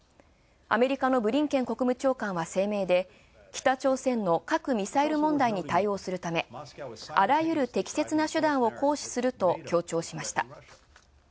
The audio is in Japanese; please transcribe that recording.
アメリカのブリンケン国務長官は声明で北朝鮮の核・ミサイル問題に対応するため、あらゆる適切な手段を行使すると強調しました。